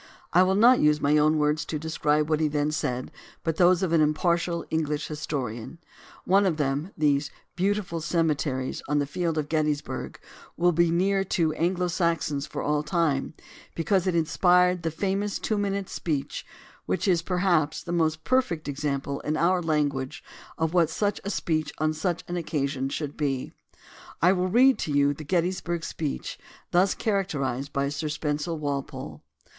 I will not use my own words to de scribe what he then said but those of an impartial English historian : One of them (these "beautiful cemeteries")* on the field of Gettysburg, will be near to Anglo Saxons for all time, because it inspired the famous two minutes' speech which is, perhaps, the most perfect example in our language of what such a speech on such an occasion should be.^ I will read to you the Gettysburg speech thus char acterized by Sir Spencer Walpole.